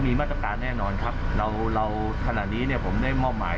พอมีมาตรการแน่นอนครับเราขนาดนี้ผมได้มอบหมาย